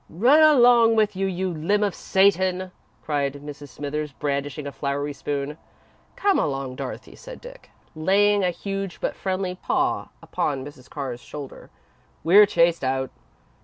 "Run along with you, you limb of Satan," cried Mrs. Smithers, brandishing a floury spoon. "Come along, Dorothy," said Dick, laying a huge but friendly paw upon Mrs. Carr's shoulder; "we're chased out."